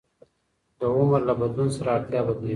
د عمر له بدلون سره اړتیا بدلېږي.